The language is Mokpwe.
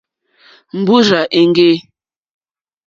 Mbúrzà èŋɡê.